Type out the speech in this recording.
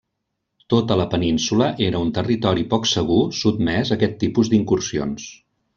Tota la península era un territori poc segur sotmès a aquest tipus d'incursions.